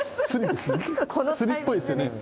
スリっぽいですよね。